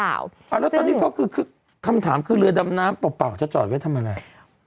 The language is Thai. แล้วตอนนี้ก็คือคำถามคือเรือดำน้ำเปล่าจะจอดไว้ทำอะไร